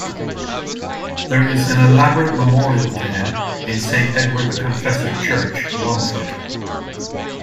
There is an elaborate memorial to him in Saint Edward the Confessor Church, Romford.